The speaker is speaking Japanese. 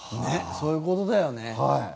そういう事だよね。